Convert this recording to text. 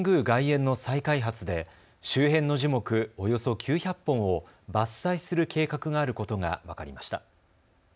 外苑の再開発で周辺の樹木およそ９００本を伐採する計画があることが分かりました。